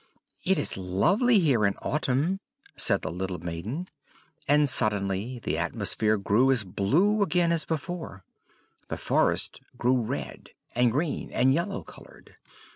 "It is lovely here in autumn!" said the little maiden. And suddenly the atmosphere grew as blue again as before; the forest grew red, and green, and yellow colored.